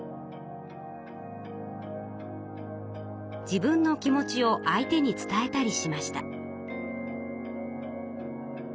自分の気持ちを相手に伝えたりしました。